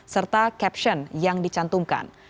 serta caption yang dicantumkan